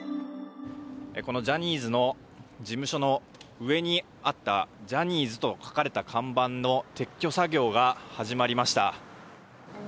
このジャニーズの事務所の上にあったジャニーズと書かれた看板の撤去作業が始まりました。